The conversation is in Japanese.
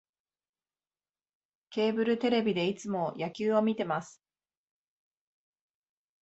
ケーブルテレビでいつも野球を観てます